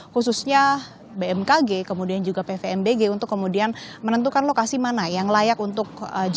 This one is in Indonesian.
khususnya bmkg kemudian juga pvmbg untuk kemudian menentukan lokasi mana yang layak untuk jalan